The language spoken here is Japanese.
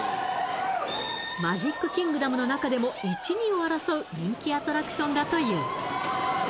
マジックキングダムの中でも１２を争う人気アトラクションだという